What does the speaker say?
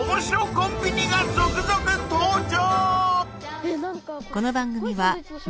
コンビニが続々登場！